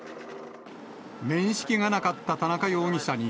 面識がなかった田中容疑者に、